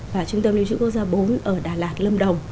và trung tâm lưu trữ quốc gia bốn ở đà lạt lâm đồng